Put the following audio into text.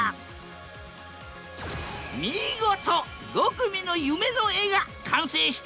見事５組の夢の絵が完成した！